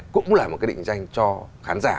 cũng là một cái định danh cho khán giả